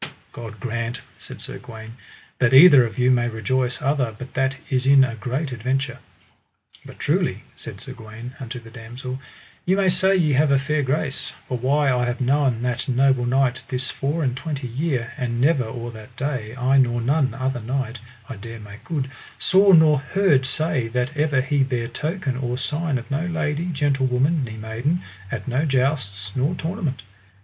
God grant, said Sir Gawaine, that either of you may rejoice other, but that is in a great adventure. But truly, said Sir Gawaine unto the damosel, ye may say ye have a fair grace, for why I have known that noble knight this four and twenty year, and never or that day, I nor none other knight, I dare make good, saw nor heard say that ever he bare token or sign of no lady, gentlewoman, ne maiden, at no jousts nor tournament.